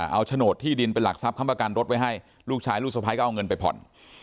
เอาโฉนดที่ดินเป็นหลักทรัพคำประกันรถไว้ให้ลูกชายลูกสะพ้ายก็เอาเงินไปผ่อน